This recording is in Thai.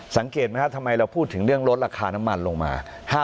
สังเกตไหมครับทำไมเราพูดถึงเรื่องลดราคาน้ำมันลงมา